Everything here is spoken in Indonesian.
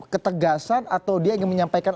ketegasan atau dia ingin menyampaikan